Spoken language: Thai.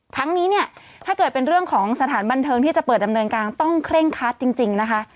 ทั้งนี้เนี่ยถ้าเกิดเป็นเรื่องของสถานบันเทิงที่จะเปิดดำเนินการต้องเคร่งคัดจริงนะคะ